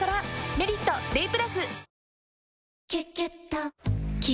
「メリットＤＡＹ＋」